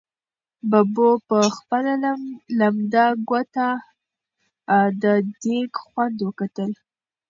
ببو په خپله لمده ګوته د دېګ خوند وکتل.